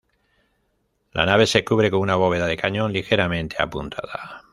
La nave se cubre con una bóveda de cañón ligeramente apuntada.